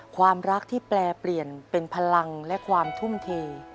ความรักที่แปลเปลี่ยนเป็นพลังและความทุ่มเท